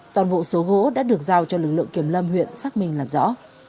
toàn bộ số gỗ đã được giao cho lực lượng kiểm lâm huyện xác minh làm rõ